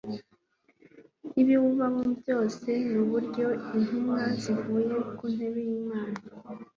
n'ibiwubamo byose n'uburyo intumwa zivuye ku ntebe y'Imana